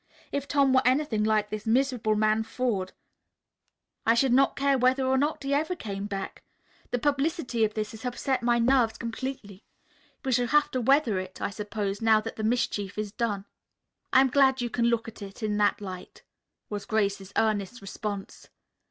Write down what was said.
If Tom were anything like this miserable man, Forde, I should not care whether or not he ever came back. The publicity of this has upset my nerves completely. We shall have to weather it, I suppose, now that the mischief is done." "I am glad you can look at it in that light," was Grace's earnest response.